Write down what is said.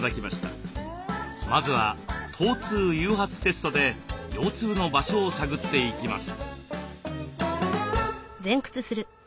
まずは疼痛誘発テストで腰痛の場所を探っていきます。